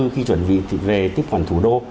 khi chuẩn bị về tiếp quản thủ đô